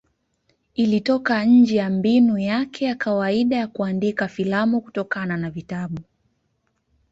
Ilitoka nje ya mbinu yake ya kawaida ya kuandika filamu kutokana na vitabu.